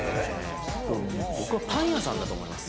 僕はパン屋さんだと思います。